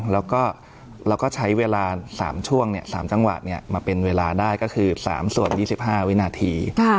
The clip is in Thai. แล้วก็ใช้เวลา๓ช่วงเนี่ย๓จังหวะเนี่ยมาเป็นเวลาได้ก็คือ๓ส่วน๒๕วินาที